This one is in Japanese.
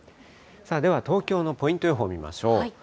では東京のポイント予報、見ましょう。